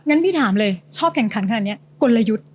งั้นพี่ถามเลยชอบแข่งขันแบบนั้นเนี้ย